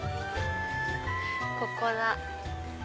ここだ。